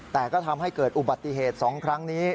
แต่ก็ทำให้เกิดอุบัติเหตุ๒ครั้งนี้